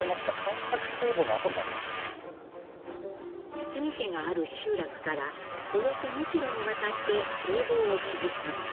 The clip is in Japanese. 堤家がある集落からおよそ２キロにわたって堤防を築き干拓。